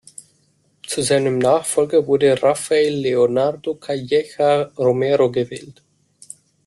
Zu seinem Nachfolger wurde Rafael Leonardo Calleja Romero gewählt.